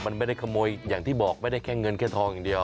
มันไม่ได้ขโมยอย่างที่บอกไม่ได้แค่เงินแค่ทองอย่างเดียว